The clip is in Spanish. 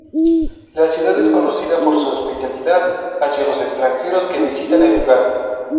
La ciudad es conocida por su hospitalidad hacia los extranjeros que visitan el lugar.